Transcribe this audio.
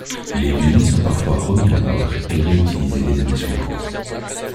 Les vieux nids sont parfois remis en ordre et réutilisés les années suivantes.